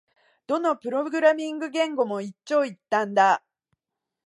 どのプログラミング言語も一長一短だ